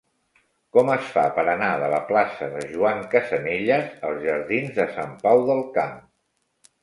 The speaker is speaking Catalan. Com es fa per anar de la plaça de Joan Casanelles als jardins de Sant Pau del Camp?